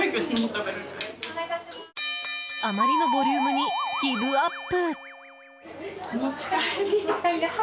あまりのボリュームにギブアップ！